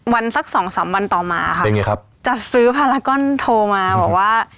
สักสองสามวันต่อมาค่ะเป็นไงครับจัดซื้อพารากอนโทรมาบอกว่า